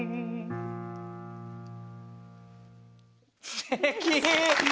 すてき！